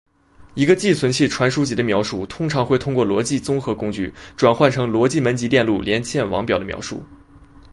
一个寄存器传输级的描述通常会通过逻辑综合工具转换成逻辑门级电路连线网表的描述。